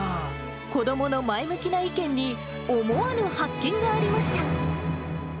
子どもの前向きな意見に、思わぬ発見がありました。